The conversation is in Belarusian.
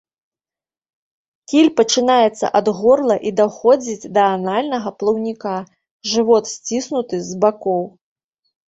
Кіль пачынаецца ад горла і даходзіць да анальнага плаўніка, жывот сціснуты з бакоў.